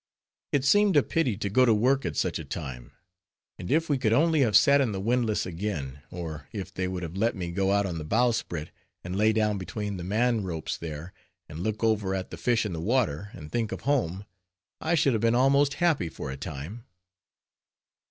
It seemed a pity to go to work at such a time; and if we could only have sat in the windlass again; or if they would have let me go out on the bowsprit, and lay down between the manropes there, and look over at the fish in the water, and think of home, I should have been almost happy for a time.